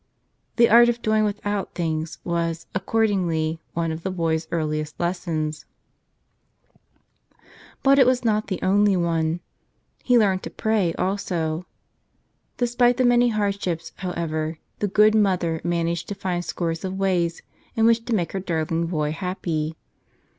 The art of doing without things was, accord¬ ingly, one of the boy's earliest lessons. But it was not 52 Wh ere There's a Will There's a Way the only one. He learned to pray also. Despite the many hardships, however, the good mother managed to find scores of ways in which to make her darling boy happy.